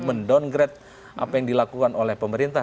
mendowngrade apa yang dilakukan oleh pemerintah